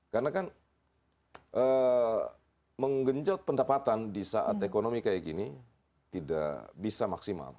karena kan menggenjot pendapatan di saat ekonomi kayak gini tidak bisa maksimal